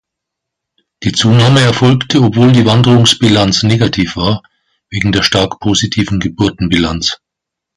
Die Zunahme erfolgte, obwohl die Wanderungsbilanz negativ war, wegen der stark positiven Geburtenbilanz.